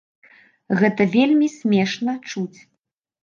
Гэта вельмі смешна чуць.